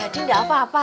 jadi enggak apa apa